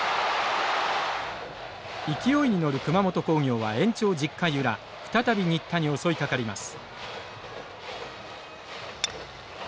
勢いに乗る熊本工業は延長１０回裏再び新田に襲いかかります。